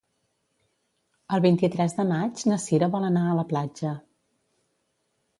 El vint-i-tres de maig na Sira vol anar a la platja.